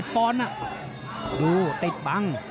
๑๔๑ปอนด์น่ะโอ้โหเต็ดบัง